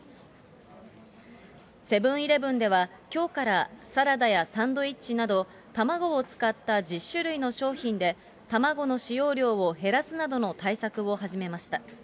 セブンーイレブンでは、きょうからサラダやサンドイッチなど、卵を使った１０種類の商品で、卵の使用量を減らすなどの対策を始めました。